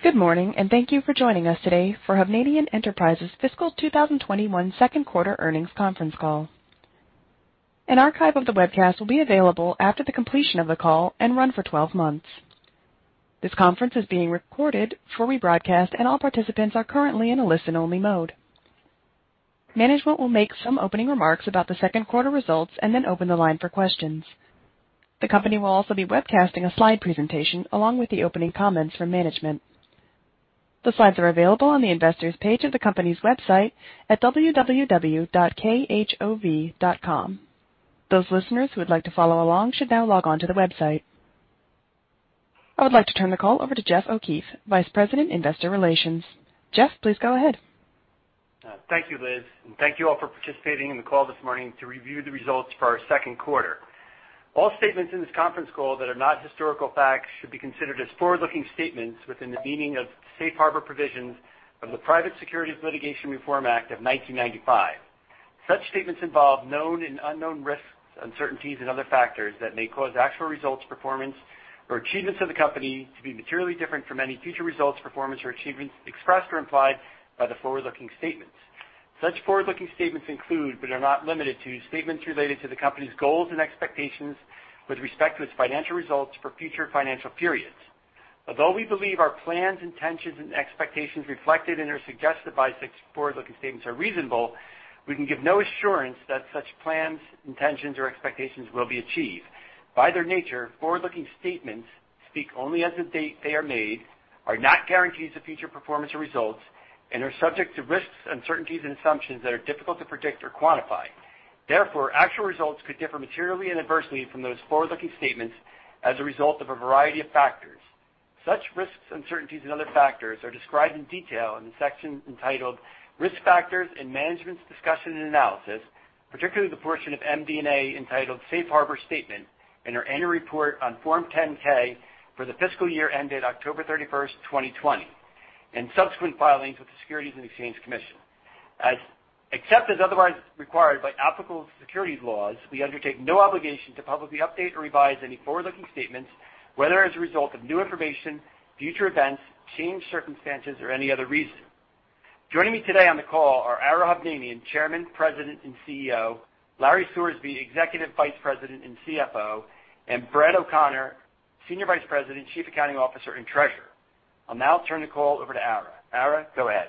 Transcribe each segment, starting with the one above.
Good morning. Thank you for joining us today for Hovnanian Enterprises fiscal 2021 second quarter earnings conference call. An archive of the webcast will be available after the completion of the call and run for 12 months. This conference is being recorded for rebroadcast, and all participants are currently in a listen-only mode. Management will make some opening remarks about the second quarter results and then open the line for questions. The company will also be webcasting a slide presentation along with the opening comments from management. The slides are available on the investors page of the company's website at www.khov.com. Those listeners who would like to follow along should now log on to the website. I would like to turn the call over to Jeff O'Keefe, Vice President, Investor Relations. Jeff, please go ahead. Thank you, Liz. Thank you all for participating in the call this morning to review the results for our second quarter. All statements in this conference call that are not historical facts should be considered as forward-looking statements within the meaning of the safe harbor provisions of the Private Securities Litigation Reform Act of 1995. Such statements involve known and unknown risks, uncertainties, and other factors that may cause actual results, performance, or achievements of the company to be materially different from any future results, performance, or achievements expressed or implied by the forward-looking statements. Such forward-looking statements include, but are not limited to, statements related to the company's goals and expectations with respect to its financial results for future financial periods. Although we believe our plans, intentions, and expectations reflected in or suggested by such forward-looking statements are reasonable, we can give no assurance that such plans, intentions, or expectations will be achieved. By their nature, forward-looking statements speak only as of the date they are made, are not guarantees of future performance or results, and are subject to risks, uncertainties, and assumptions that are difficult to predict or quantify. Therefore, actual results could differ materially and adversely from those forward-looking statements as a result of a variety of factors. Such risks, uncertainties, and other factors are described in detail in the sections entitled "Risk Factors" and "Management's Discussion and Analysis," particularly the portion of MD&A entitled "Safe Harbor Statement" in our annual report on Form 10-K for the fiscal year ended October 31st, 2020, and subsequent filings with the Securities and Exchange Commission. Except as otherwise required by applicable securities laws, we undertake no obligation to publicly update or revise any forward-looking statements, whether as a result of new information, future events, changed circumstances, or any other reason. Joining me today on the call are Ara Hovnanian, Chairman, President, and CEO, Larry Sorsby, Executive Vice President and CFO, and Brad O'Connor, Senior Vice President, Chief Accounting Officer, and Treasurer. I'll now turn the call over to Ara. Ara, go ahead.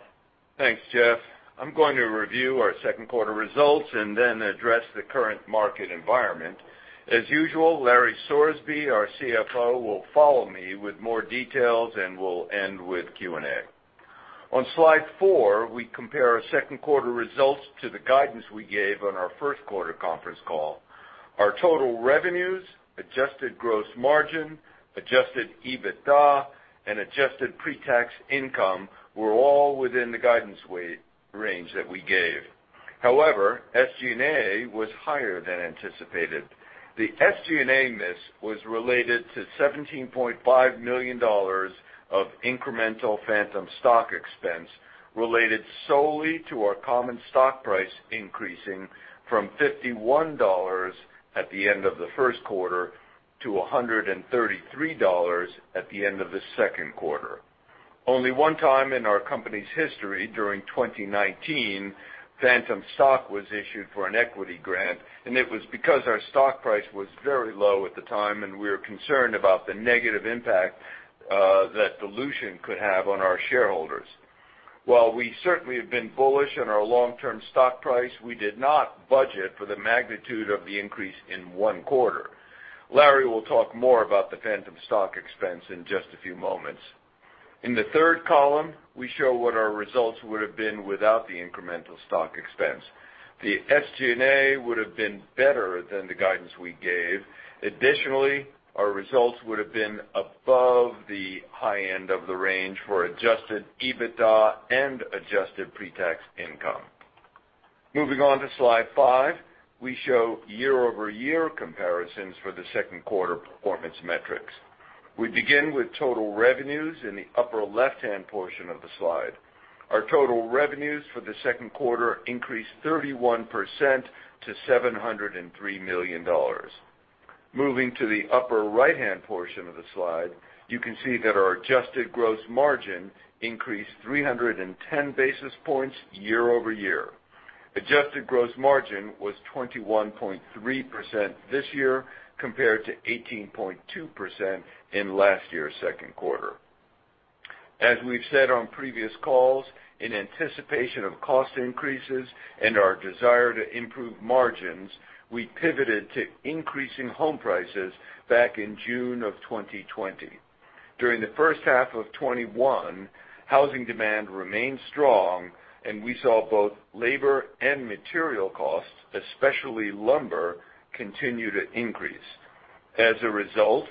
Thanks, Jeff. I’m going to review our second quarter results and then address the current market environment. As usual, Larry Sorsby, our CFO, will follow me with more details, and we’ll end with Q&A. On slide four, we compare our second quarter results to the guidance we gave on our first quarter conference call. Our total revenues, adjusted gross margin, adjusted EBITDA, and adjusted pre-tax income were all within the guidance range that we gave. SG&A was higher than anticipated. The SG&A miss was related to $17.5 million of incremental phantom stock expense related solely to our common stock price increasing from $51 at the end of the first quarter to $133 at the end of the second quarter. Only one time in our company's history, during 2019, phantom stock was issued for an equity grant, and it was because our stock price was very low at the time, and we were concerned about the negative impact that dilution could have on our shareholders. While we certainly have been bullish on our long-term stock price, we did not budget for the magnitude of the increase in one quarter. Larry will talk more about the phantom stock expense in just a few moments. In the third column, we show what our results would have been without the incremental stock expense. The SG&A would have been better than the guidance we gave. Additionally, our results would have been above the high end of the range for adjusted EBITDA and adjusted pre-tax income. Moving on to slide five, we show year-over-year comparisons for the second quarter performance metrics. We begin with total revenues in the upper left-hand portion of the slide. Our total revenues for the second quarter increased 31% to $703 million. Moving to the upper right-hand portion of the slide, you can see that our adjusted gross margin increased 310 basis points year-over-year. Adjusted gross margin was 21.3% this year compared to 18.2% in last year's second quarter. As we've said on previous calls, in anticipation of cost increases and our desire to improve margins, we pivoted to increasing home prices back in June of 2020. During the first half of 2021, housing demand remained strong, and we saw both labor and material costs, especially lumber, continue to increase. As a result,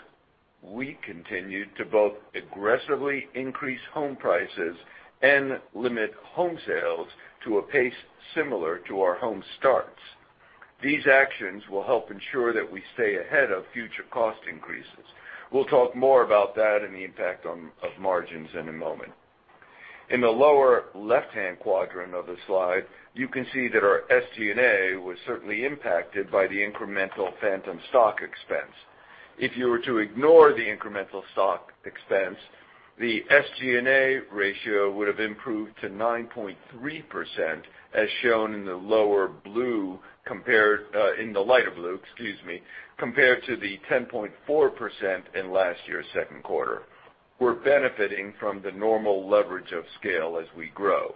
we continued to both aggressively increase home prices and limit home sales to a pace similar to our home starts. These actions will help ensure that we stay ahead of future cost increases. We'll talk more about that and the impact of margins in a moment. In the lower left-hand quadrant of the slide, you can see that our SG&A was certainly impacted by the incremental phantom stock expense. If you were to ignore the incremental stock expense, the SG&A ratio would have improved to 9.3%, as shown in the lighter blue, compared to the 10.4% in last year's second quarter. We're benefiting from the normal leverage of scale as we grow.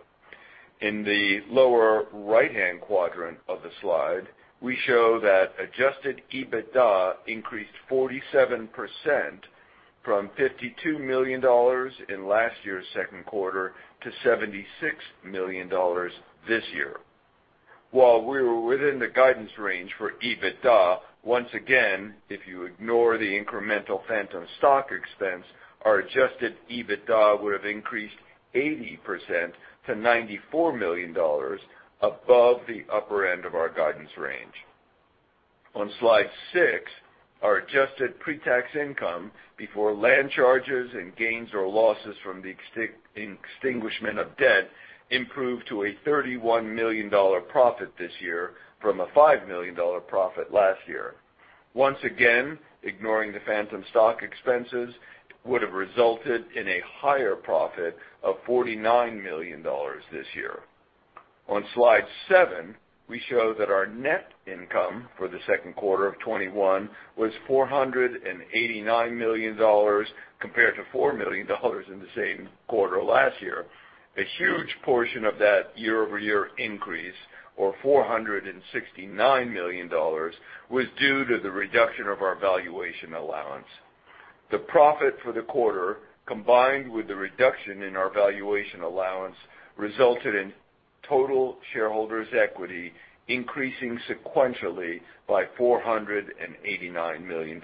In the lower right-hand quadrant of the slide, we show that adjusted EBITDA increased 47% from $52 million in last year's second quarter to $76 million this year. While we were within the guidance range for EBITDA, once again, if you ignore the incremental phantom stock expense, our adjusted EBITDA would have increased 80% to $94 million, above the upper end of our guidance range. On slide six, our adjusted pre-tax income before land charges and gains or losses from the extinguishment of debt improved to a $31 million profit this year from a $5 million profit last year. Once again, ignoring the phantom stock expenses, would have resulted in a higher profit of $49 million this year. On slide seven, we show that our net income for the second quarter of 2021 was $489 million compared to $4 million in the same quarter last year. A huge portion of that year-over-year increase, or $469 million, was due to the reduction of our valuation allowance. The profit for the quarter, combined with the reduction in our valuation allowance, resulted in total shareholders' equity increasing sequentially by $489 million.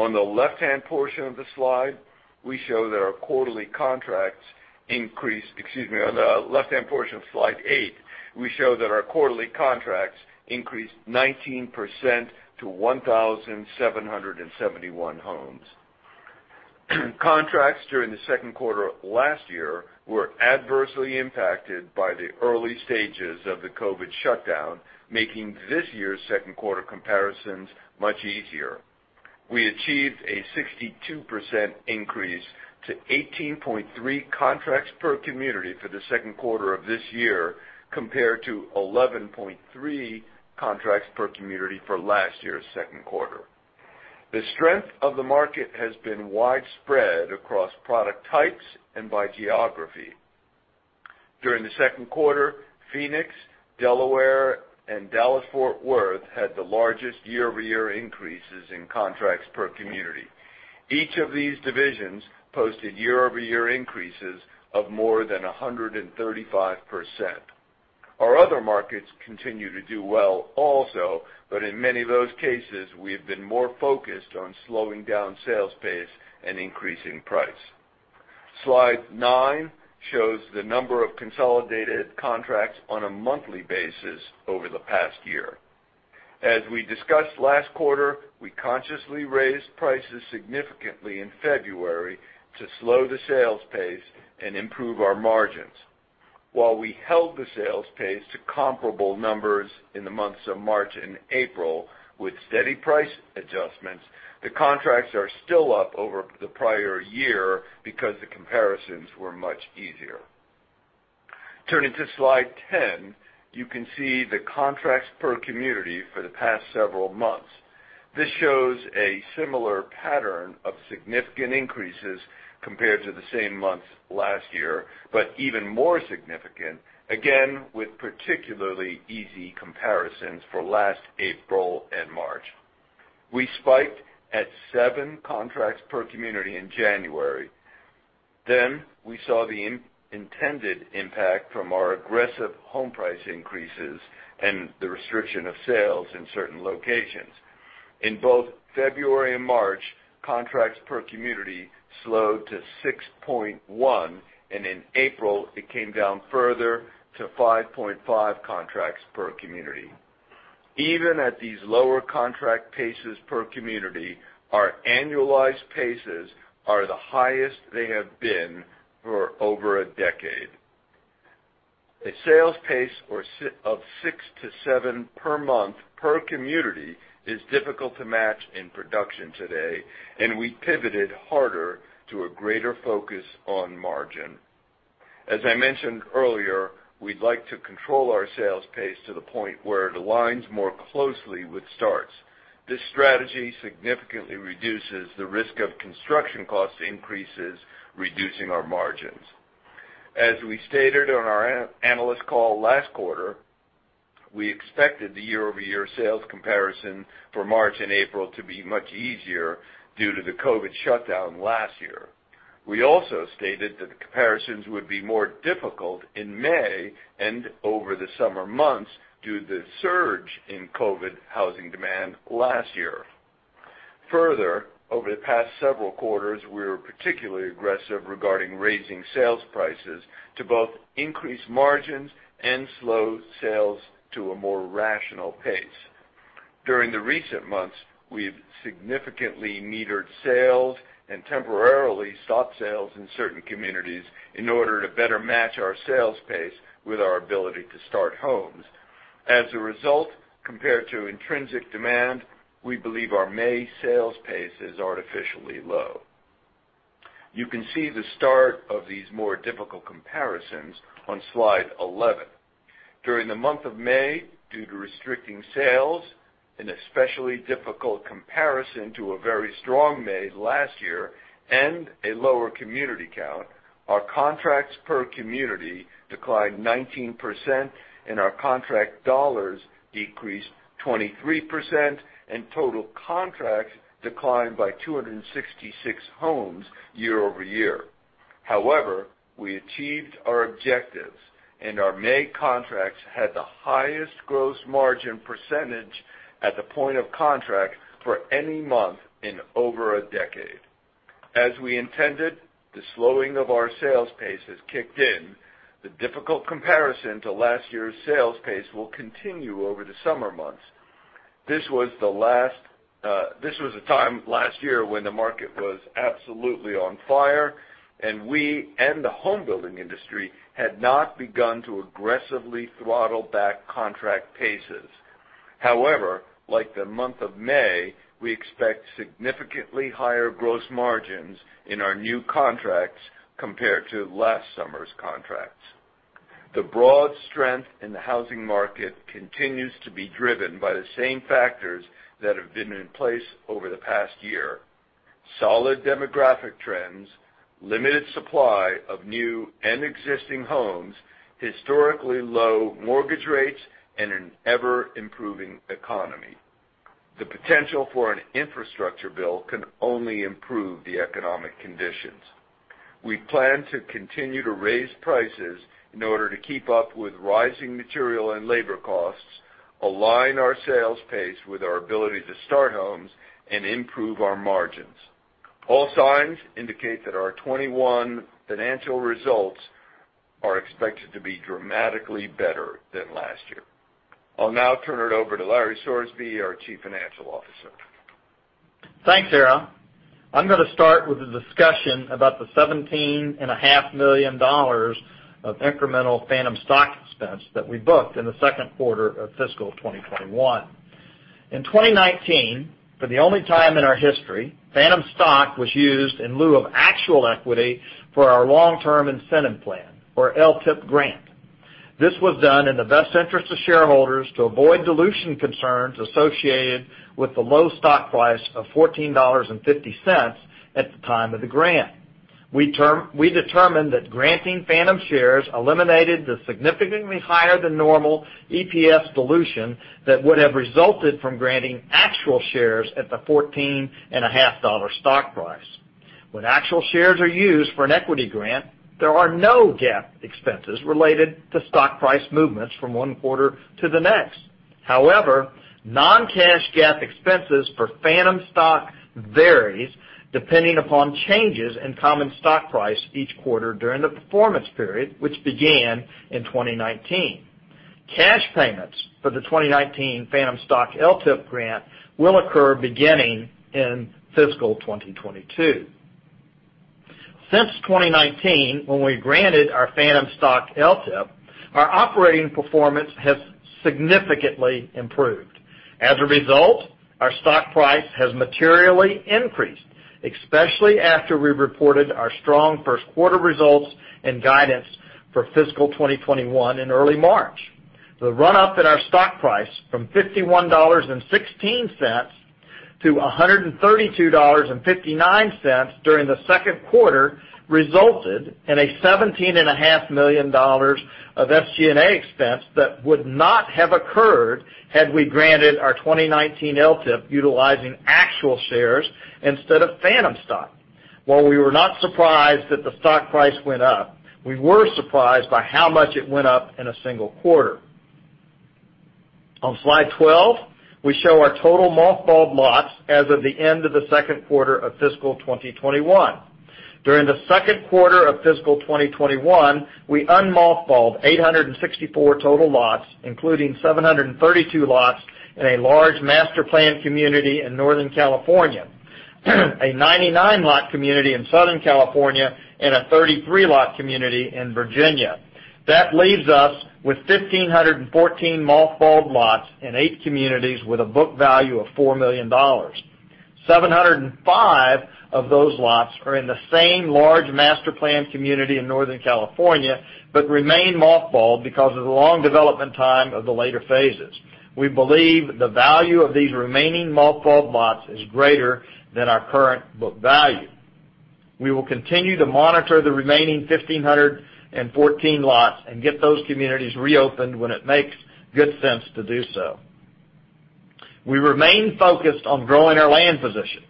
On the left-hand portion of slide eight, we show that our quarterly contracts increased 19% to 1,771 homes. Contracts during the second quarter of last year were adversely impacted by the early stages of the COVID shutdown, making this year's second quarter comparisons much easier. We achieved a 62% increase to 18.3 contracts per community for the second quarter of this year, compared to 11.3 contracts per community for last year's second quarter. The strength of the market has been widespread across product types and by geography. During the second quarter, Phoenix, Delaware, and Dallas-Fort Worth had the largest year-over-year increases in contracts per community. Each of these divisions posted year-over-year increases of more than 135%. Our other markets continue to do well also. In many of those cases, we have been more focused on slowing down sales pace and increasing price. Slide nine shows the number of consolidated contracts on a monthly basis over the past year. As we discussed last quarter, we consciously raised prices significantly in February to slow the sales pace and improve our margins. While we held the sales pace to comparable numbers in the months of March and April with steady price adjustments, the contracts are still up over the prior year because the comparisons were much easier. Turning to slide 10, you can see the contracts per community for the past several months. This shows a similar pattern of significant increases compared to the same months last year. Even more significant, again, with particularly easy comparisons for last April and March. We spiked at seven contracts per community in January. We saw the intended impact from our aggressive home price increases and the restriction of sales in certain locations. In both February and March, contracts per community slowed to 6.1, and in April, it came down further to 5.5 contracts per community. Even at these lower contract paces per community, our annualized paces are the highest they have been for over a decade. A sales pace of six to seven per month per community is difficult to match in production today, and we pivoted harder to a greater focus on margin. As I mentioned earlier, we'd like to control our sales pace to the point where it aligns more closely with starts. This strategy significantly reduces the risk of construction cost increases, reducing our margins. As we stated on our analyst call last quarter, we expected the year-over-year sales comparison for March and April to be much easier due to the COVID shutdown last year. We also stated that the comparisons would be more difficult in May and over the summer months due to the surge in COVID housing demand last year. Further, over the past several quarters, we were particularly aggressive regarding raising sales prices to both increase margins and slow sales to a more rational pace. During the recent months, we've significantly metered sales and temporarily stopped sales in certain communities in order to better match our sales pace with our ability to start homes. As a result, compared to intrinsic demand, we believe our May sales pace is artificially low. You can see the start of these more difficult comparisons on slide 11. During the month of May, due to restricting sales, an especially difficult comparison to a very strong May last year, and a lower community count, our contracts per community declined 19%, and our contract dollars decreased 23%, and total contracts declined by 266 homes year-over-year. However, we achieved our objectives, and our May contracts had the highest gross margin percentage at the point of contract for any month in over one decade. As we intended, the slowing of our sales pace has kicked in. The difficult comparison to last year's sales pace will continue over the summer months. This was a time last year when the market was absolutely on fire, and we and the home building industry had not begun to aggressively throttle back contract paces. However, like the month of May, we expect significantly higher gross margins in our new contracts compared to last summer's contracts. The broad strength in the housing market continues to be driven by the same factors that have been in place over the past year. Solid demographic trends, limited supply of new and existing homes, historically low mortgage rates, and an ever-improving economy. The potential for an infrastructure bill can only improve the economic conditions. We plan to continue to raise prices in order to keep up with rising material and labor costs, align our sales pace with our ability to start homes, and improve our margins. All signs indicate that our 2021 financial results are expected to be dramatically better than last year. I'll now turn it over to Larry Sorsby, our Chief Financial Officer. Thanks, Ara. I'm going to start with a discussion about the $17.5 million of incremental phantom stock expense that we booked in the second quarter of fiscal 2021. In 2019, for the only time in our history, phantom stock was used in lieu of actual equity for our long-term incentive plan or LTIP grant. This was done in the best interest of shareholders to avoid dilution concerns associated with the low stock price of $14.50 at the time of the grant. We determined that granting phantom shares eliminated the significantly higher than normal EPS dilution that would have resulted from granting actual shares at the $14.50 stock price. When actual shares are used for an equity grant, there are no GAAP expenses related to stock price movements from one quarter to the next. However, non-cash GAAP expenses for phantom stock varies depending upon changes in common stock price each quarter during the performance period, which began in 2019. Cash payments for the 2019 phantom stock LTIP grant will occur beginning in fiscal 2022. Since 2019, when we granted our phantom stock LTIP, our operating performance has significantly improved. As a result, our stock price has materially increased, especially after we reported our strong first quarter results and guidance for fiscal 2021 in early March. The run-up in our stock price from $51.16-$132.59 during the second quarter resulted in a $17.5 million of SG&A expense that would not have occurred had we granted our 2019 LTIP utilizing actual shares instead of phantom stock. While we were not surprised that the stock price went up, we were surprised by how much it went up in a single quarter. On slid e 12, we show our total mothballed lots as of the end of the second quarter of fiscal 2021. During the second quarter of fiscal 2021, we unmothballed 864 total lots, including 732 lots in a large master-planned community in Northern California, a 99-lot community in Southern California, and a 33-lot community in Virginia. That leaves us with 1,514 mothballed lots in eight communities with a book value of $4 million. 705 of those lots are in the same large master-planned community in Northern California, but remain mothballed because of the long development time of the later phases. We believe the value of these remaining mothballed lots is greater than our current book value. We will continue to monitor the remaining 1,514 lots and get those communities reopened when it makes good sense to do so. We remain focused on growing our land position.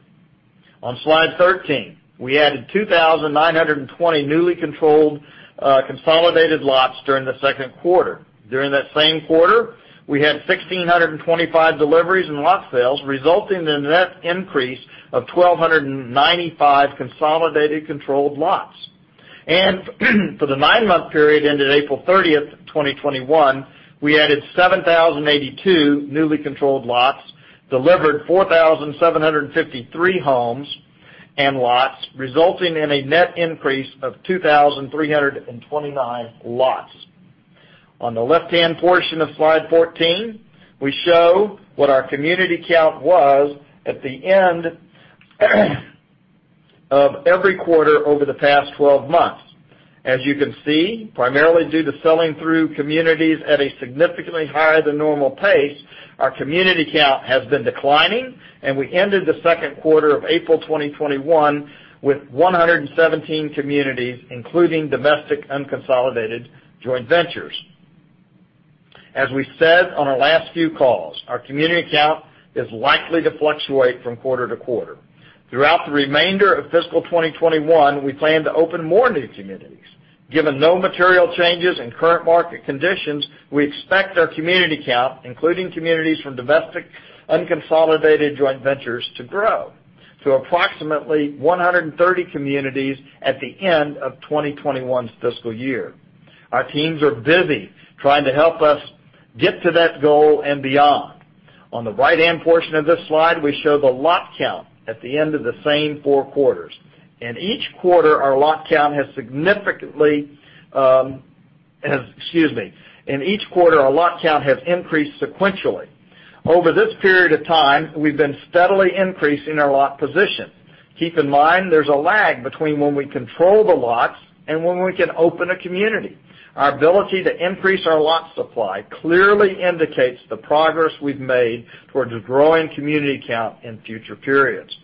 On slide 13, we added 2,920 newly consolidated lots during the second quarter. During that same quarter, we had 1,625 deliveries and lot sales, resulting in a net increase of 1,295 consolidated controlled lots. For the nine-month period ended April 30th, 2021, we added 7,082 newly controlled lots, delivered 4,753 homes and lots, resulting in a net increase of 2,329 lots. On the left-hand portion of slide 14, we show what our community count was at the end of every quarter over the past 12 months. As you can see, primarily due to selling through communities at a significantly higher than normal pace, our community count has been declining, and we ended the second quarter of April 2021 with 117 communities, including domestic unconsolidated joint ventures. As we said on our last few calls, our community count is likely to fluctuate from quarter to quarter. Throughout the remainder of fiscal 2021, we plan to open more new communities. Given no material changes in current market conditions, we expect our community count, including communities from domestic unconsolidated joint ventures, to grow to approximately 130 communities at the end of 2021's fiscal year. Our teams are busy trying to help us get to that goal and beyond. On the right-hand portion of this slide, we show the lot count at the end of the same four quarters. In each quarter, our lot count has increased sequentially. Over this period of time, we've been steadily increasing our lot position. Keep in mind, there's a lag between when we control the lots and when we can open a community. Our ability to increase our lot supply clearly indicates the progress we've made towards a growing community count in future periods.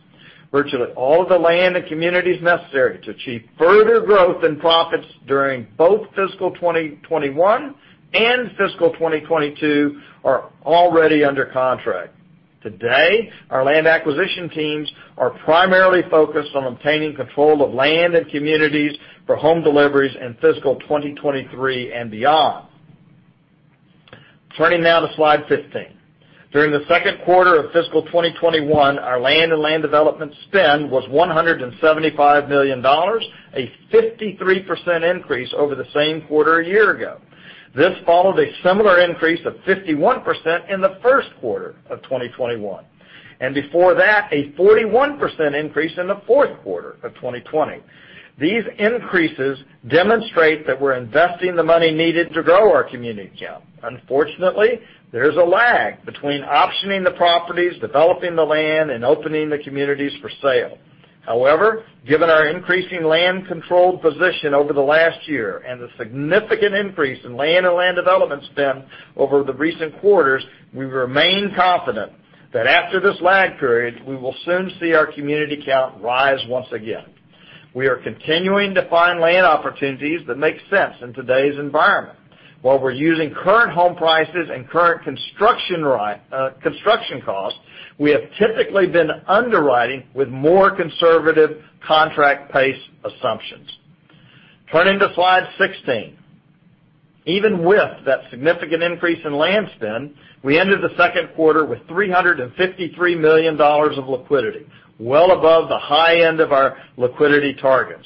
Virtually all the land and communities necessary to achieve further growth and profits during both fiscal 2021 and fiscal 2022 are already under contract. Today, our land acquisition teams are primarily focused on obtaining control of land and communities for home deliveries in fiscal 2023 and beyond. Turning now to slide 15. During the second quarter of fiscal 2021, our land and land development spend was $175 million, a 53% increase over the same quarter one year ago. This followed a similar increase of 51% in the first quarter of 2021. Before that, a 41% increase in the fourth quarter of 2020. These increases demonstrate that we're investing the money needed to grow our community count. Unfortunately, there's a lag between optioning the properties, developing the land, and opening the communities for sale. Given our increasing land control position over the last year and the significant increase in land and land development spend over the recent quarters, we remain confident that after this lag period, we will soon see our community count rise once again. We are continuing to find land opportunities that make sense in today's environment. While we're using current home prices and current construction costs, we have typically been underwriting with more conservative contract pace assumptions. Turning to slide 16. With that significant increase in land spend, we ended the second quarter with $353 million of liquidity, well above the high end of our liquidity targets.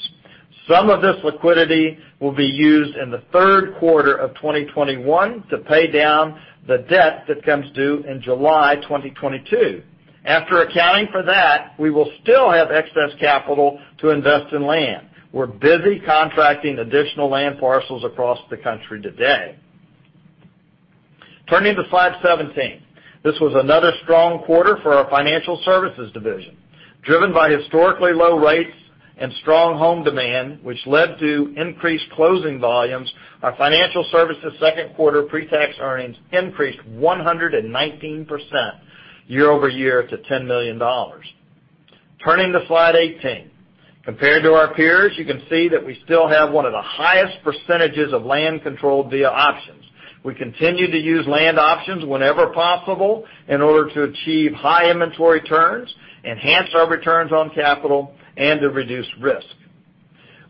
Some of this liquidity will be used in the third quarter of 2021 to pay down the debt that comes due in July 2022. After accounting for that, we will still have excess capital to invest in land. We're busy contracting additional land parcels across the country today. Turning to slide 17. This was another strong quarter for our financial services division, driven by historically low rates and strong home demand, which led to increased closing volumes. Our financial services second quarter pre-tax earnings increased 119% year-over-year to $10 million. Turning to slide 18. Compared to our peers, you can see that we still have one of the highest percentages of land controlled via options. We continue to use land options whenever possible in order to achieve high inventory turns, enhance our returns on capital, and to reduce risk.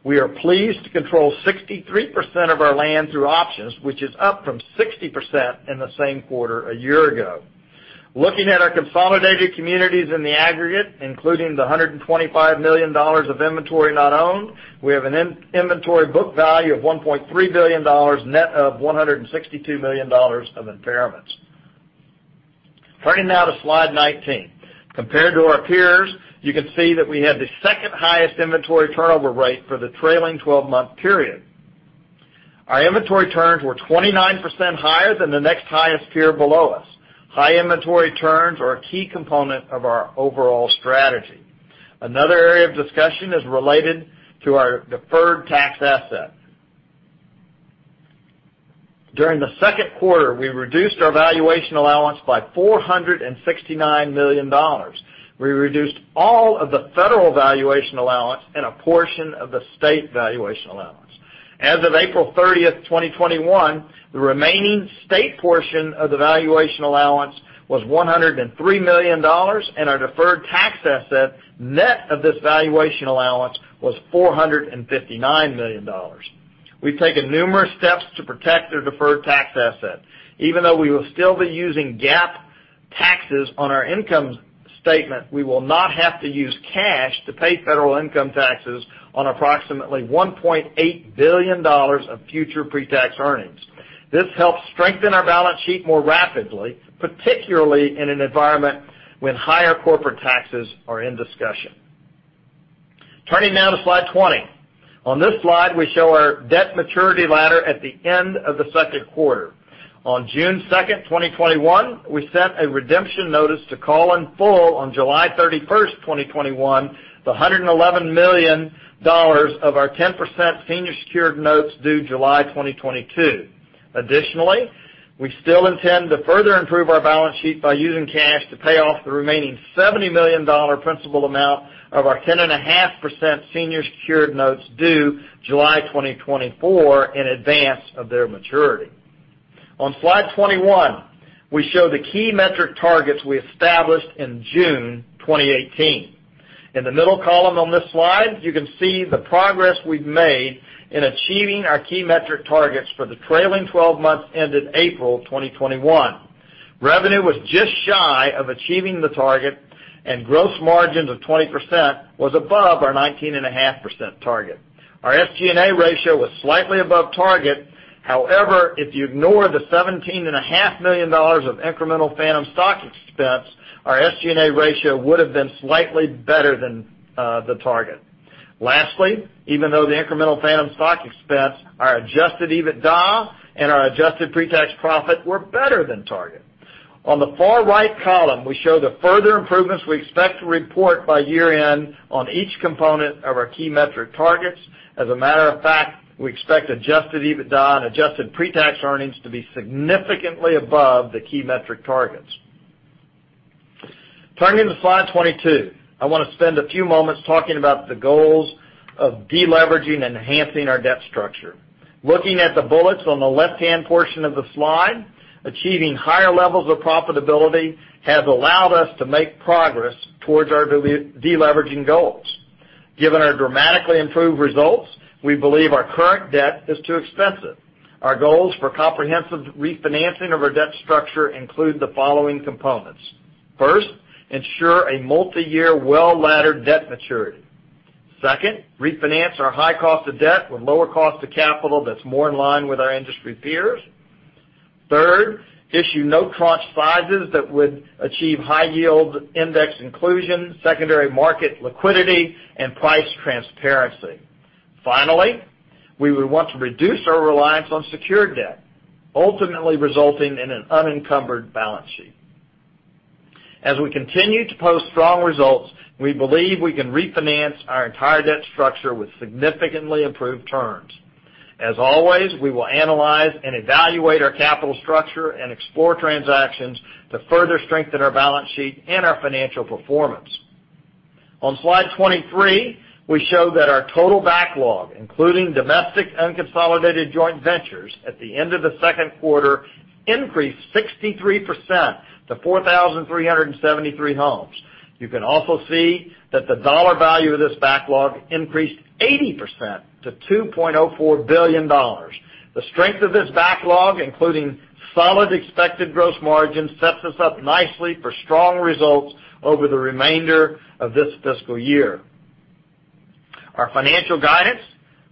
We are pleased to control 63% of our land through options, which is up from 60% in the same quarter a year ago. Looking at our consolidated communities in the aggregate, including the $125 million of inventory not owned, we have an inventory book value of $1.3 billion, net of $162 million of impairments. Turning now to slide 19. Compared to our peers, you can see that we have the second highest inventory turnover rate for the trailing 12-month period. Our inventory turns were 29% higher than the next highest tier below us. High inventory turns are a key component of our overall strategy. Another area of discussion is related to our deferred tax asset. During the second quarter, we reduced our valuation allowance by $469 million. We reduced all of the federal valuation allowance and a portion of the state valuation allowance. As of April 30th, 2021, the remaining state portion of the valuation allowance was $103 million, and our deferred tax asset, net of this valuation allowance, was $459 million. We've taken numerous steps to protect our deferred tax asset. Even though we will still be using GAAP taxes on our income statement, we will not have to use cash to pay federal income taxes on approximately $1.8 billion of future pre-tax earnings. This helps strengthen our balance sheet more rapidly, particularly in an environment when higher corporate taxes are in discussion. Turning now to slide 20. On this slide, we show our debt maturity ladder at the end of the second quarter. On June 2nd, 2021, we sent a redemption notice to call in full on July 31st, 2021, the $111 million of our 10% senior secured notes due July 2022. Additionally, we still intend to further improve our balance sheet by using cash to pay off the remaining $70 million principal amount of our 10.5% senior secured notes due July 2024 in advance of their maturity. On slide 21, we show the key metric targets we established in June 2018. In the middle column on this slide, you can see the progress we've made in achieving our key metric targets for the trailing 12 months ended April 2021. Revenue was just shy of achieving the target, and gross margins of 20% was above our 19.5% target. Our SG&A ratio was slightly above target. If you ignore the $17.5 million of incremental phantom stock expense, our SG&A ratio would have been slightly better than the target. Even though the incremental phantom stock expense, our adjusted EBITDA and our adjusted pre-tax profit were better than target. On the far right column, we show the further improvements we expect to report by year-end on each component of our key metric targets. As a matter of fact, we expect adjusted EBITDA and adjusted pre-tax earnings to be significantly above the key metric targets. Turning to slide 22. I want to spend a few moments talking about the goals of de-leveraging and enhancing our debt structure. Looking at the bullets on the left-hand portion of the slide, achieving higher levels of profitability has allowed us to make progress towards our de-leveraging goals. Given our dramatically improved results, we believe our current debt is too expensive. Our goals for comprehensive refinancing of our debt structure include the following components. First, ensure a multi-year well-laddered debt maturity. Second, refinance our high cost of debt with lower cost of capital that's more in line with our industry peers. Third, issue note tranche sizes that would achieve high yield index inclusion, secondary market liquidity, and price transparency. Finally, we would want to reduce our reliance on secured debt, ultimately resulting in an unencumbered balance sheet. As we continue to post strong results, we believe we can refinance our entire debt structure with significantly improved terms. As always, we will analyze and evaluate our capital structure and explore transactions to further strengthen our balance sheet and our financial performance. On slide 23, we show that our total backlog, including domestic unconsolidated joint ventures at the end of the second quarter, increased 63% to 4,373 homes. You can also see that the dollar value of this backlog increased 80% to $2.04 billion. The strength of this backlog, including solid expected gross margins, sets us up nicely for strong results over the remainder of this fiscal year. Our financial guidance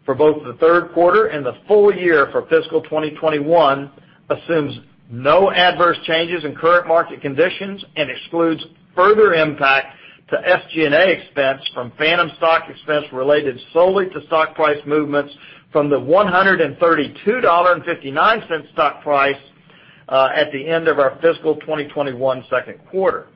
for both the third quarter and the full year for fiscal 2021 assumes no adverse changes in current market conditions and excludes further impact to SG&A expense from phantom stock expense related solely to stock price movements from the $132.59 stock price at the end of our fiscal 2021 second quarter.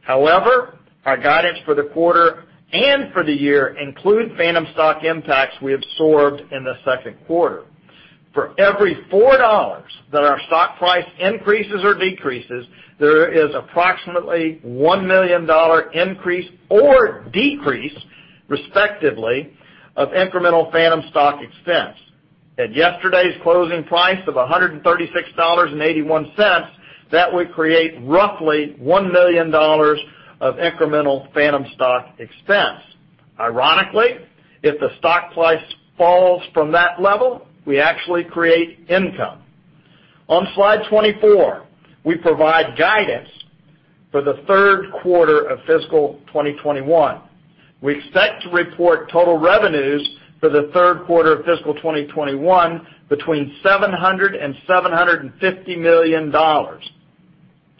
However, our guidance for the quarter and for the year include phantom stock impacts we absorbed in the second quarter. For every $4 that our stock price increases or decreases, there is approximately $1 million increase or decrease, respectively, of incremental phantom stock expense. At yesterday's closing price of $136.81, that would create roughly $1 million of incremental phantom stock expense. Ironically, if the stock price falls from that level, we actually create income. On slide 24, we provide guidance for the third quarter of fiscal 2021. We expect to report total revenues for the third quarter of fiscal 2021 between $700 million and $750 million.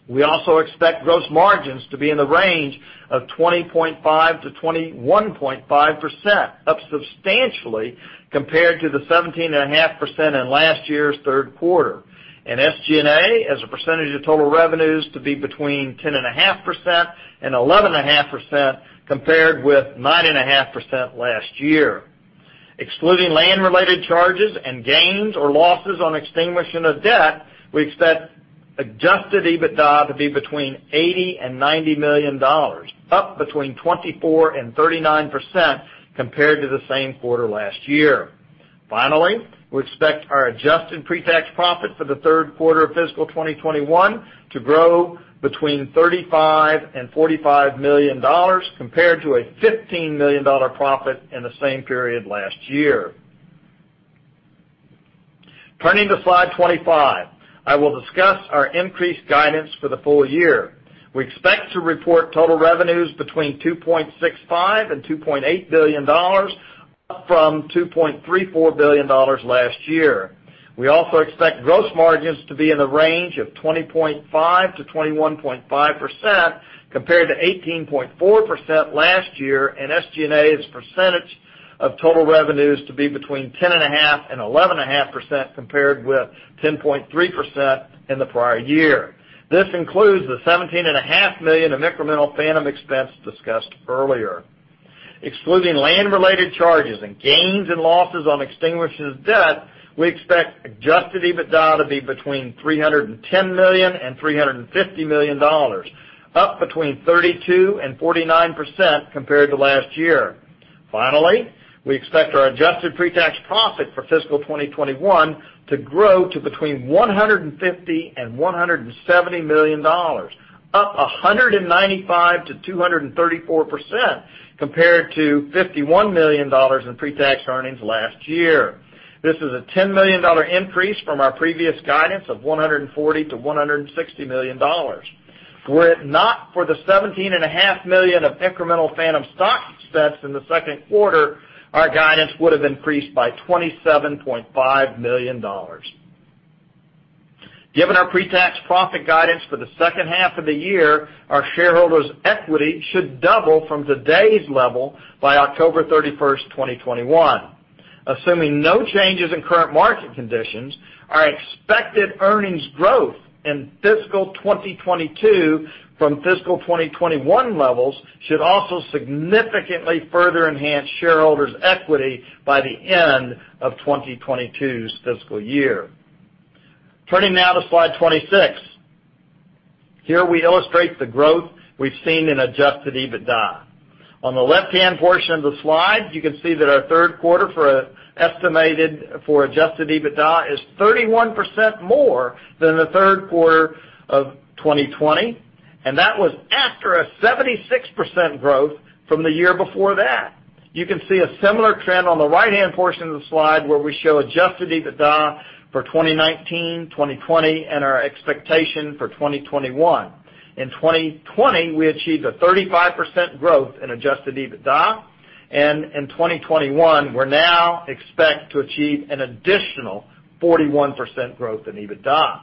We also expect gross margins to be in the range of 20.5%-21.5%, up substantially compared to the 17.5% in last year's third quarter. SG&A as a percentage of total revenues to be between 10.5% and 11.5%, compared with 9.5% last year. Excluding land-related charges and gains or losses on extinguishment of debt, we expect adjusted EBITDA to be between $80 million and $90 million, up between 24% and 39% compared to the same quarter last year. Finally, we expect our adjusted pre-tax profit for the third quarter of fiscal 2021 to grow between $35 million and $45 million, compared to a $15 million profit in the same period last year. Turning to Slide 25, I will discuss our increased guidance for the full year. We expect to report total revenues between $2.65 and $2.8 billion, up from $2.34 billion last year. We also expect gross margins to be in the range of 20.5%-21.5%, compared to 18.4% last year, SG&A as a percentage of total revenues to be between 10.5% and 11.5%, compared with 10.3% in the prior year. This includes the $17.5 million of incremental phantom expense discussed earlier. Excluding land-related charges and gains and losses on extinguishment of debt, we expect adjusted EBITDA to be between $310 million and $350 million, up between 32% and 49% compared to last year. Finally, we expect our adjusted pre-tax profit for fiscal 2021 to grow to between $150 and $170 million, up 195%-234%, compared to $51 million in pre-tax earnings last year. This is a $10 million increase from our previous guidance of $140 million-$160 million. Were it not for the $17.5 million of incremental phantom stock expense in the second quarter, our guidance would have increased by $27.5 million. Given our pre-tax profit guidance for the second half of the year, our shareholders' equity should double from today's level by October 31st, 2021. Assuming no changes in current market conditions, our expected earnings growth in fiscal 2022 from fiscal 2021 levels should also significantly further enhance shareholders' equity by the end of 2022's fiscal year. Turning now to slide 26. Here we illustrate the growth we've seen in adjusted EBITDA. On the left-hand portion of the slide, you can see that our third quarter estimated for adjusted EBITDA is 31% more than the third quarter of 2020, and that was after a 76% growth from the year before that. You can see a similar trend on the right-hand portion of the slide, where we show adjusted EBITDA for 2019, 2020, and our expectation for 2021. In 2020, we achieved a 35% growth in adjusted EBITDA, and in 2021, we now expect to achieve an additional 41% growth in EBITDA.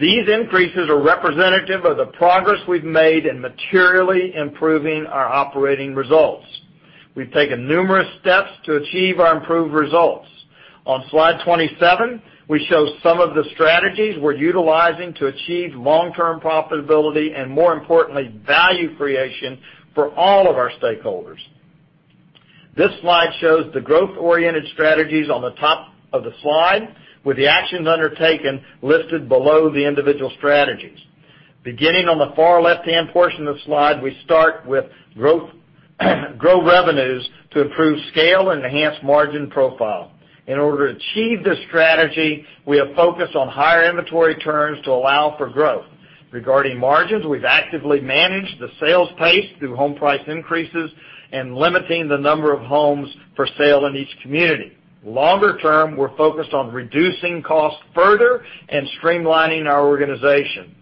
These increases are representative of the progress we've made in materially improving our operating results. We've taken numerous steps to achieve our improved results. On Slide 27, we show some of the strategies we're utilizing to achieve long-term profitability and, more importantly, value creation for all of our stakeholders. This slide shows the growth-oriented strategies on the top of the slide, with the actions undertaken listed below the individual strategies. Beginning on the far left-hand portion of the slide, we start with grow revenues to improve scale and enhance margin profile. In order to achieve this strategy, we are focused on higher inventory turns to allow for growth. Regarding margins, we've actively managed the sales pace through home price increases and limiting the number of homes for sale in each community. Longer term, we're focused on reducing costs further and streamlining our organization.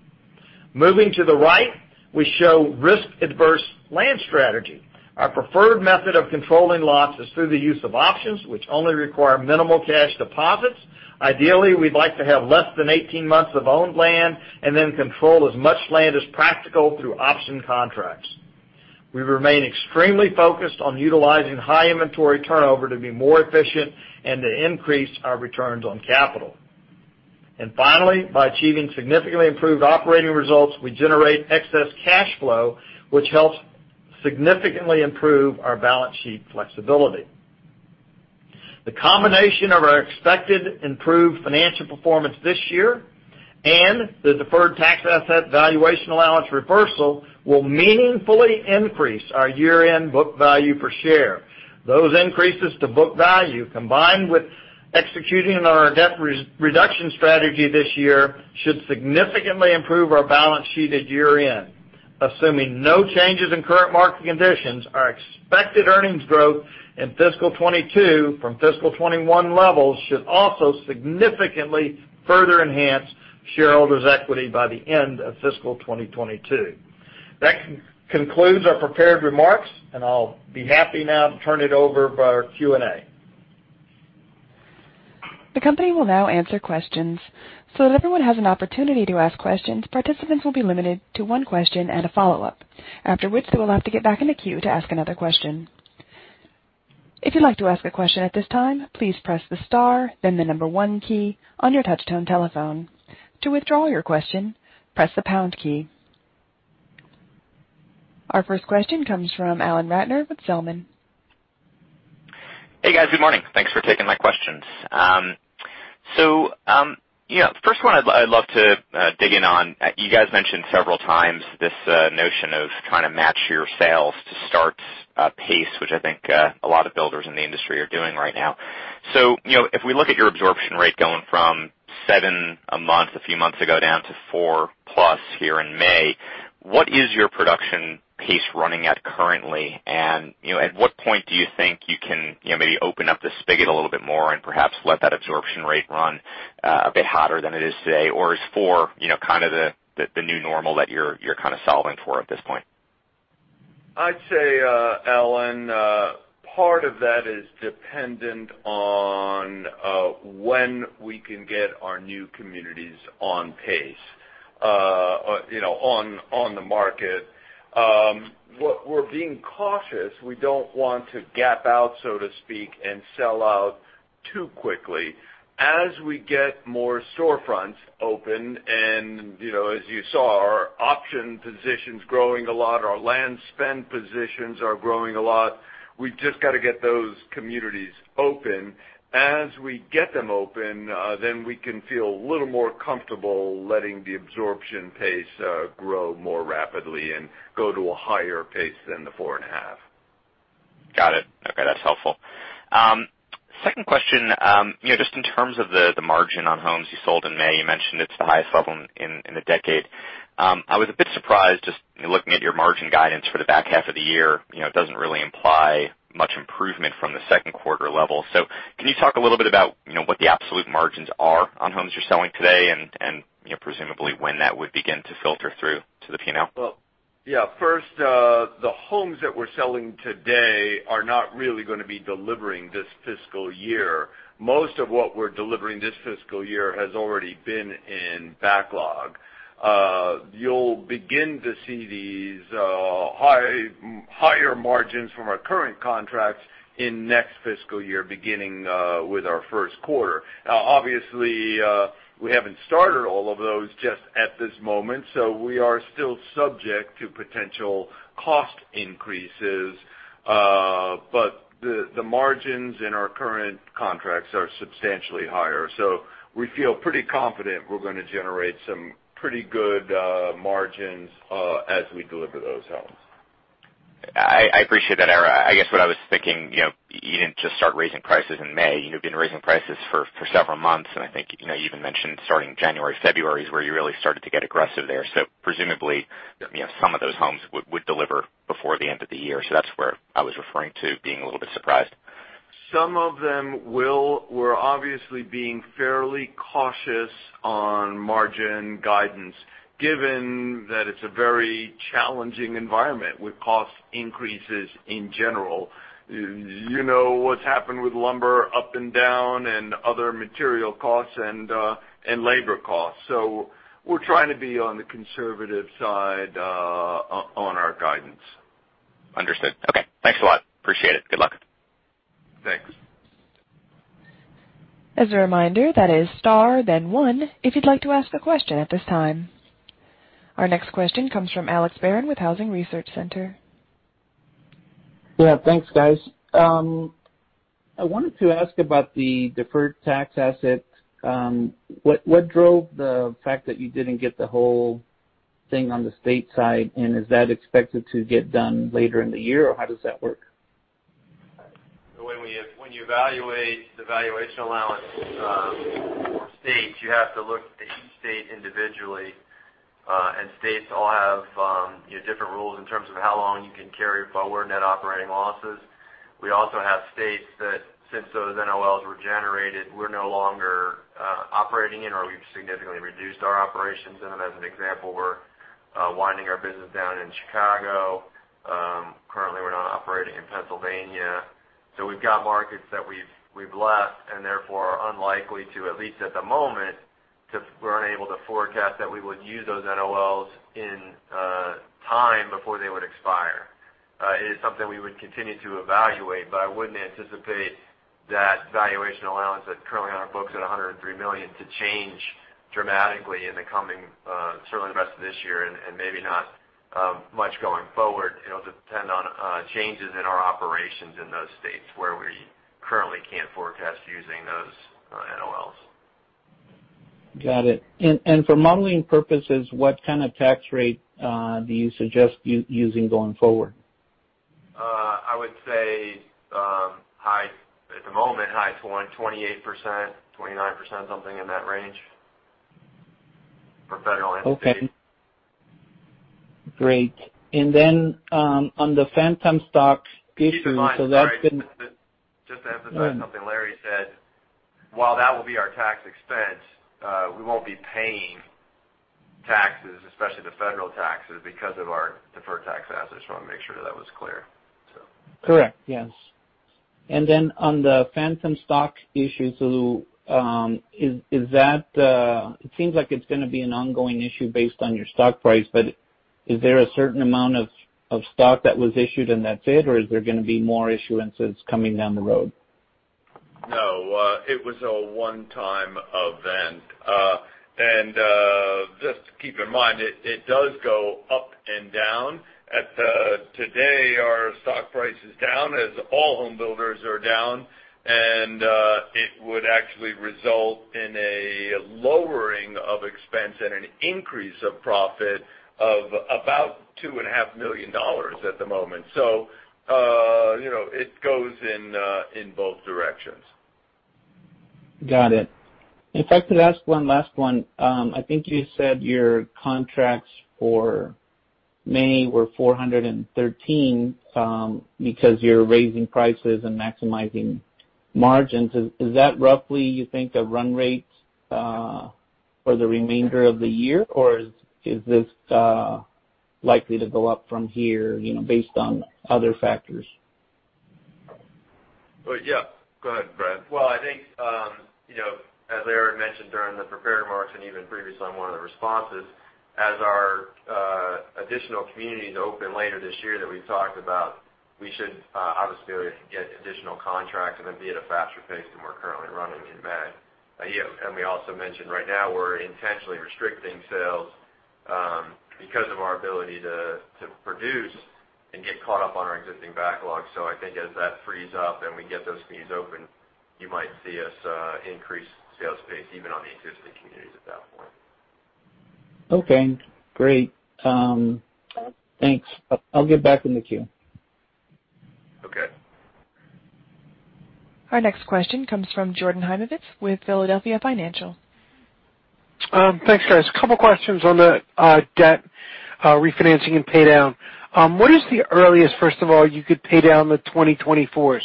Moving to the right, we show risk-averse land strategy. Our preferred method of controlling lots is through the use of options, which only require minimal cash deposits. Ideally, we'd like to have less than 18 months of owned land and then control as much land as practical through option contracts. We remain extremely focused on utilizing high inventory turnover to be more efficient and to increase our returns on capital. Finally, by achieving significantly improved operating results, we generate excess cash flow, which helps significantly improve our balance sheet flexibility. The combination of our expected improved financial performance this year and the deferred tax asset valuation allowance reversal will meaningfully increase our year-end book value per share. Those increases to book value, combined with executing our debt reduction strategy this year, should significantly improve our balance sheet at year-end. Assuming no changes in current market conditions, our expected earnings growth in fiscal 2022 from fiscal 2021 levels should also significantly further enhance shareholders' equity by the end of fiscal 2022. That concludes our prepared remarks, and I'll be happy now to turn it over for our Q&A. The company will now answer questions. Everyone has an opportunity to ask questions, participants will be limited to one question and a follow-up. Afterwards, you will have to get back in the queue to ask another question. If you like to ask a question at this time, please press the star and the number one key on your touch-tone telephone. To withdraw your question, press the pound key. Our first question comes from Alan Ratner with Zelman. Hey, guys. Good morning. Thanks for taking my questions. First one I'd love to dig in on, you guys mentioned several times this notion of trying to match your sales to starts pace, which I think a lot of builders in the industry are doing right now. If we look at your absorption rate going from seven a month, a few months ago, down to four plus here in May. What is your production pace running at currently? At what point do you think you can maybe open up the spigot a little bit more and perhaps let that absorption rate run a bit hotter than it is today? Or is four the new normal that you're solving for at this point? I'd say, Alan, part of that is dependent on when we can get our new communities on pace, on the market. We're being cautious. We don't want to gap out, so to speak, and sell out too quickly. As we get more storefronts open and as you saw, our option positions growing a lot, our land spend positions are growing a lot. We've just got to get those communities open. As we get them open, then we can feel a little more comfortable letting the absorption pace grow more rapidly and go to a higher pace than the four and a half. Got it. Okay, that's helpful. Second question, just in terms of the margin on homes you sold in May, you mentioned it's the highest level in a decade. I was a bit surprised just looking at your margin guidance for the back half of the year. It doesn't really imply much improvement from the second quarter level. Can you talk a little bit about what the absolute margins are on homes you're selling today and presumably when that would begin to filter through to the P&L? Well, yeah. First, the homes that we're selling today are not really going to be delivering this fiscal year. Most of what we're delivering this fiscal year has already been in backlog. You'll begin to see these higher margins from our current contracts in next fiscal year, beginning with our first quarter. Now, obviously, we haven't started all of those just at this moment, so we are still subject to potential cost increases. The margins in our current contracts are substantially higher. We feel pretty confident we're going to generate some pretty good margins as we deliver those homes. I appreciate that, Ara. I guess what I was thinking, you didn't just start raising prices in May. You've been raising prices for several months. I think you even mentioned starting January, February is where you really started to get aggressive there. Presumably, some of those homes would deliver before the end of the year. That's where I was referring to being a little bit surprised. Some of them will. We're obviously being fairly cautious on margin guidance given that it's a very challenging environment with cost increases in general. You know what's happened with lumber up and down and other material costs and labor costs. We're trying to be on the conservative side on our guidance. Understood. Okay, thanks a lot. Appreciate it. Good luck. Thanks. As a reminder, that is star then one if you'd like to ask a question at this time. Our next question comes from Alex Barron with Housing Research Center. Yeah, thanks, guys. I wanted to ask about the deferred tax asset. What drove the fact that you didn't get the whole thing on the state side, and is that expected to get done later in the year, or how does that work? When you evaluate the valuation allowance for states, you have to look at each state individually. States all have different rules in terms of how long you can carry forward net operating losses. We also have states that since those NOLs were generated, we're no longer operating in or we've significantly reduced our operations in them. As an example, we're winding our business down in Chicago. Currently, we're not operating in Pennsylvania. We've got markets that we've left and therefore are unlikely to, at least at the moment, because we're unable to forecast that we would use those NOLs in time before they would expire. It is something we would continue to evaluate, but I wouldn't anticipate that valuation allowance that's currently on our books at $103 million to change dramatically in the coming certainly rest of this year and maybe not much going forward. It'll depend on changes in our operations in those states where we currently can't forecast using those NOLs. Got it. For modeling purposes, what kind of tax rate do you suggest using going forward? I would say at the moment, high 28%, 29%, something in that range for federal income tax. Okay, great. On the phantom stock issue. Just to emphasize something Larry said, while that will be our tax expense, we won't be paying taxes, especially the federal taxes, because of our deferred tax assets. Just want to make sure that was clear. Correct. Yes. On the phantom stock issue, it seems like it's going to be an ongoing issue based on your stock price, but is there a certain amount of stock that was issued in that bid or is there going to be more issuances coming down the road? No, it was a one-time event. Just to keep in mind, it does go up and down. Today, our stock price is down as all home builders are down, and it would actually result in a lowering of expense and an increase of profit of about $2.5 million at the moment. It goes in both directions. Got it. If I could ask one last one. I think you said your contracts for May were 413, because you're raising prices and maximizing margins. Is that roughly, you think, a run rate for the remainder of the year, or is this likely to go up from here based on other factors? Well, yeah. Go ahead, Brad. Well, I think, as Larry mentioned during the prepared remarks, and even previous on one of the responses, as our additional communities open later this year that we've talked about, we should obviously be able to get additional contracts, and then be at a faster pace than we're currently running in May. We also mentioned right now we're intentionally restricting sales because of our ability to produce and get caught up on our existing backlog. I think as that frees up and we get those communities open, you might see us increase sales pace even on the existing communities at that point. Okay, great. Thanks. I'll get back in the queue. Okay. Our next question comes from Jordan Hymowitz with Philadelphia Financial. Thanks, guys. Couple questions on the debt refinancing and pay down. What is the earliest, first of all, you could pay down the 2024s?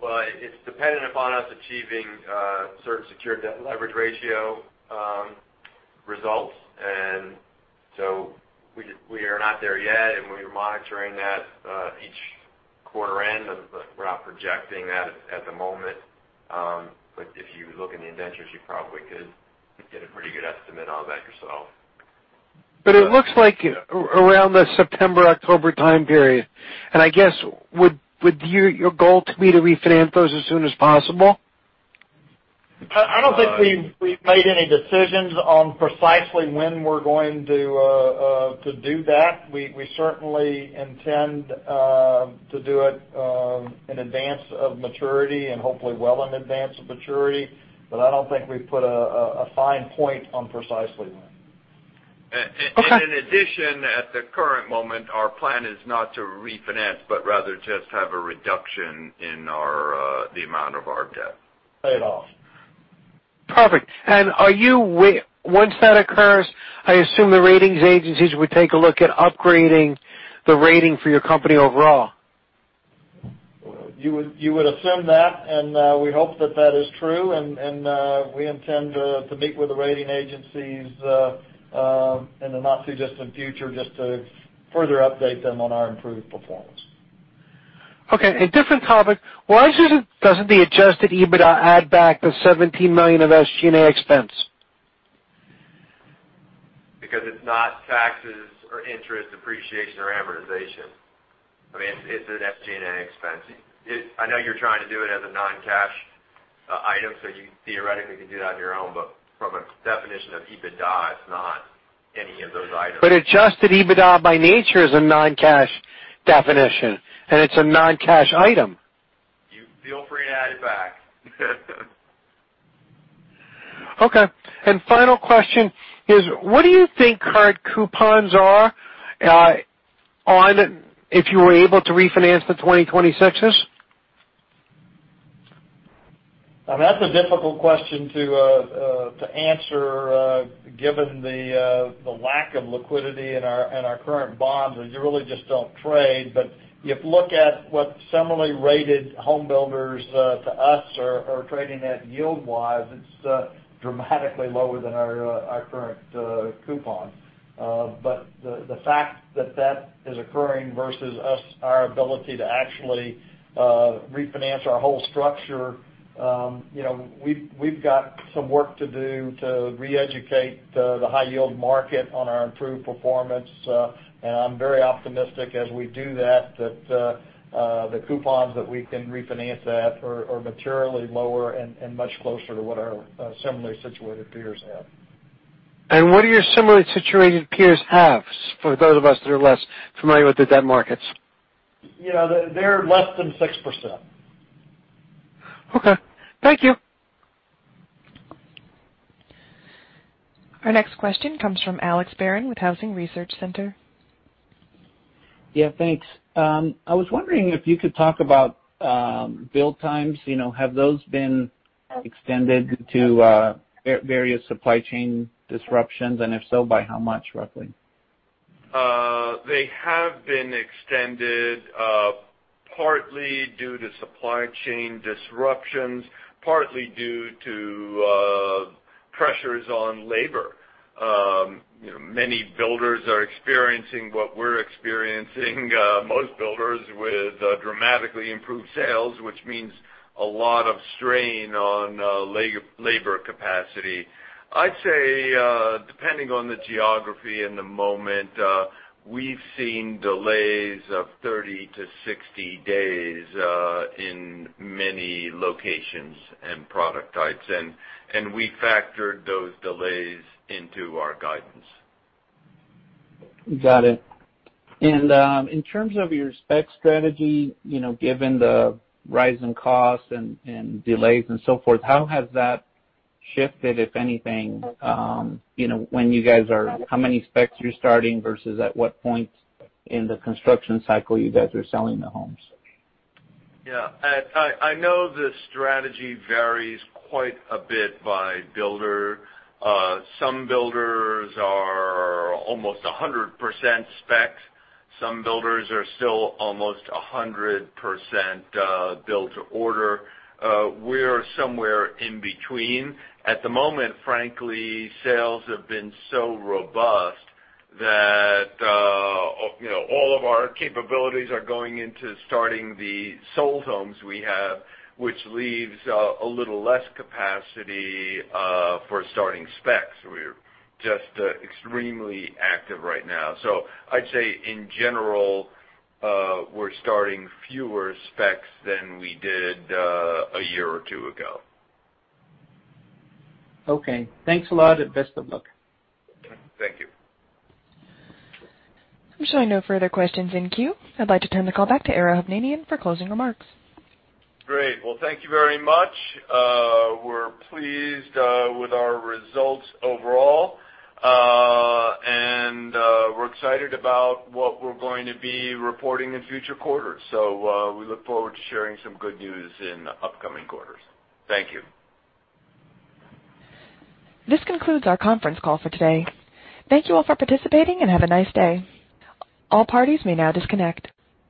Well, it's dependent upon us achieving certain secured debt leverage ratio results. We are not there yet, and we are monitoring that each quarter end, but we're not projecting that at the moment. If you look in the indentures, you probably could get a pretty good estimate on that yourself. It looks like around the September, October time period. I guess, would your goal to be to refinance those as soon as possible? I don't think we've made any decisions on precisely when we're going to do that. We certainly intend to do it in advance of maturity and hopefully well in advance of maturity. I don't think we've put a fine point on precisely when. Okay. In addition, at the current moment, our plan is not to refinance, but rather just have a reduction in the amount of our debt. Pay it off. Perfect. Once that occurs, I assume the ratings agencies would take a look at upgrading the rating for your company overall. You would assume that, and we hope that that is true, and we intend to meet with the rating agencies in the not-too-distant future just to further update them on our improved performance. Okay. A different topic. Why doesn't the adjusted EBITDA add back the $17 million of SG&A expense? It's not taxes or interest, depreciation or amortization. It's an SG&A expense. I know you're trying to do it as a non-cash item, you theoretically can do that on your own. From a definition of EBITDA, it's not any of those items. Adjusted EBITDA by nature is a non-cash definition, and it's a non-cash item. You feel free to add it back. Okay. Final question is, what do you think current coupons are on it if you were able to refinance the 2026s? That's a difficult question to answer given the lack of liquidity in our current bonds, as you really just don't trade. If you look at what similarly rated home builders to us are trading at yield-wise, it's dramatically lower than our current coupon. The fact that that is occurring versus us, our ability to actually refinance our whole structure, we've got some work to do to re-educate the high yield market on our improved performance. I'm very optimistic as we do that the coupons that we can refinance at are materially lower and much closer to what our similarly situated peers have. What do your similarly situated peers have, for those of us that are less familiar with the debt markets? They're less than 6%. Okay. Thank you. Our next question comes from Alex Barron with Housing Research Center. Yeah, thanks. I was wondering if you could talk about build times. Have those been extended to various supply chain disruptions, and if so, by how much, roughly? They have been extended, partly due to supply chain disruptions, partly due to pressures on labor. Many builders are experiencing what we're experiencing. Most builders with dramatically improved sales, which means a lot of strain on labor capacity. I'd say, depending on the geography and the moment, we've seen delays of 30-60 days in many locations and product types, and we factored those delays into our guidance. Got it. In terms of your spec strategy, given the rise in costs and delays and so forth, how has that shifted, if anything? How many specs you're starting versus at what point in the construction cycle you guys are selling the homes? I know the strategy varies quite a bit by builder. Some builders are almost 100% spec. Some builders are still almost 100% build to order. We're somewhere in between. At the moment, frankly, sales have been so robust that all of our capabilities are going into starting the sold homes we have, which leaves a little less capacity for starting specs. We're just extremely active right now. I'd say, in general, we're starting fewer specs than we did a year or two ago. Okay. Thanks a lot, and best of luck. Thank you. I'm showing no further questions in queue. I'd like to turn the call back to Ara Hovnanian for closing remarks. Great. Well, thank you very much. We're pleased with our results overall, and we're excited about what we're going to be reporting in future quarters. We look forward to sharing some good news in upcoming quarters. Thank you. This concludes our conference call for today. Thank you all for participating, and have a nice day. All parties may now disconnect.